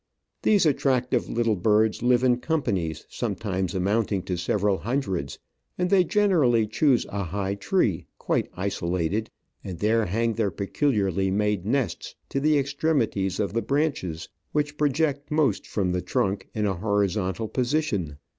These attractive litde birds live in com panies sometimes amounting to several hundreds, and they generally choose a high tree quite isolated, and there hang their peculiarly made nests to the ex tremities of the branches which project most from the trunk in a horizontal position.